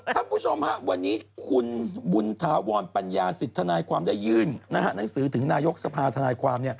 ท่านผู้ชมครับวันนี้คุณบุญถาวรปัญญาสิทธนายความได้ยื่นหนังสือถึงนายกสภาธนายความ